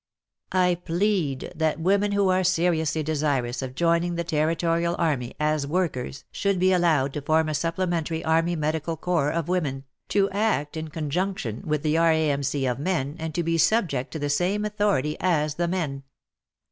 I plead that women who are seriously desirous of joining the Territorial army as workers should be allowed to form a supple mentary Army Medical Corps of women, to act in conjunction with the R.A.M.C. of men, and to be subject to the same authority as the men.